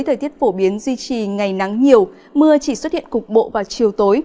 thời tiết phổ biến duy trì ngày nắng nhiều mưa chỉ xuất hiện cục bộ vào chiều tối